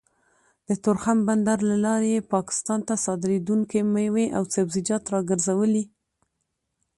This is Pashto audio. د تورخم بندر له لارې يې پاکستان ته صادرېدونکې مېوې او سبزيجات راګرځولي